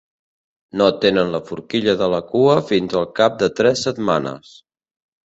No tenen la forquilla de la cua fins al cap de tres setmanes.